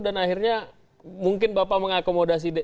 akhirnya mungkin bapak mengakomodasi